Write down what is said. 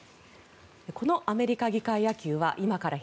このアメリカ議会野球は今から１００年